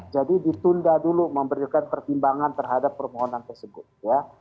jadi ditunda dulu memberikan pertimbangan terhadap permohonan tersebut ya